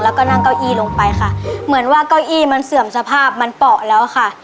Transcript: แล้วก็นั่งเก้าอี้ลงไปค่ะเหมือนว่าเก้าอี้มันเสื่อมสภาพมันเปาะแล้วค่ะ